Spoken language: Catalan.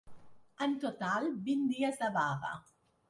En total, vint dies de vaga.